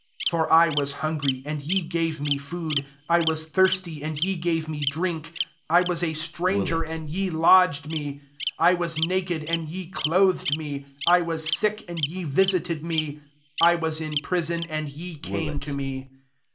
35 For I was hungry, and ye gave me fiiod : I was thirsty, and ye gave me drink : I was a stranger, and ye lodged me : 36 I was na kedi, and ye clothed me : I was sick, and ye visited me: I was in prison and ye came to me.'